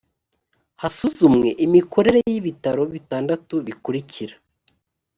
hasuzumwe imikorere y ibitaro bitandatu bikurikira